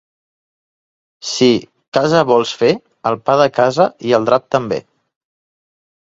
Si casa vols fer, el pa de casa i el drap també.